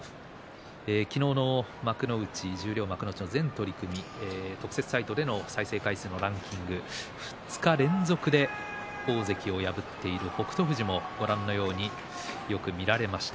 昨日の十両、幕内の全取組特設サイトでの再生回数のランキング２日連続で大関を破っている北勝富士もご覧のようによく見られました。